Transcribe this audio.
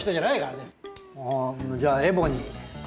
もうじゃあエボニー。